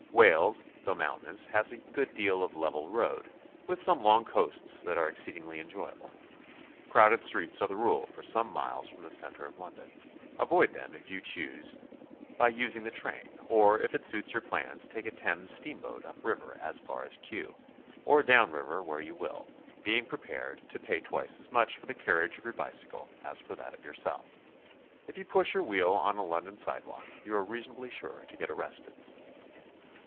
Wales, though mountainous, has a go'od deal of level road, with some long coasts that are exceedingly enjoyable. Crowded streets are the rule for some miles from the centre of London; avoid them if you choose by using the train, or if it suits your plans take a Thames steamboat up river as far as Kew, or down river where you will, being prepared to io6 GOING ABROAD? pay twice as much for the carriage of your bicycle as for that of yourself. If you push your wheel on a London side walk, you are reasonably sure to get arrested.